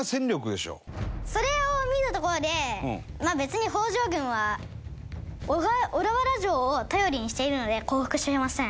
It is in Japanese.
それを見たところでまあ別に北条軍は小田原城を頼りにしているので降伏しません。